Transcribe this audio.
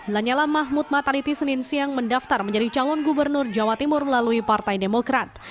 lanyala mahmud mataliti senin siang mendaftar menjadi calon gubernur jawa timur melalui partai demokrat